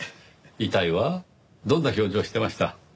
遺体はどんな表情をしてました？